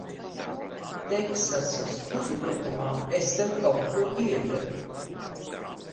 Teksasas uzbrukumā es tev kaut ko iedevu.